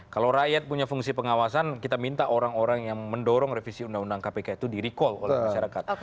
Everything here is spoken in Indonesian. kalau rakyat punya fungsi pengawasan kita minta orang orang yang mendorong revisi undang undang kpk itu di recall oleh masyarakat